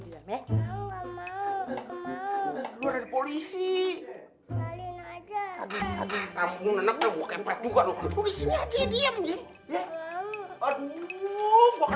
di sini ya polisi polisi juga lu di sini aja diem ya